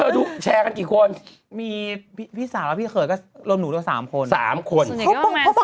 ดีมันเยอะมาก